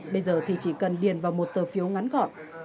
bây giờ thì chỉ cần điền vào một tờ phiếu ngắn gọn